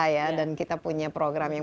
ya dan kita punya program yang